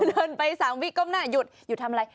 เดินไป๓วิก้มหน้าหยุดหยุดทำอะไร